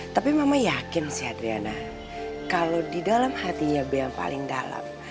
tapi mama yakin sih adriana kalau di dalam hatinya be yang paling dalam